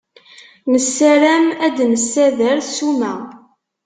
Nessaram ad d-nssader ssuma.